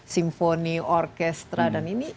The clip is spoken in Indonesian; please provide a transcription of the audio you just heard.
simfoni orkestra dan ini